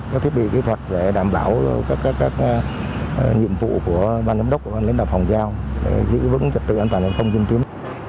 các thiết bị kỹ thuật để đảm bảo các nhiệm vụ của ban giám đốc và ban lãnh đạo phòng giao để giữ vững trật tựa an toàn giao thông diễn tuyến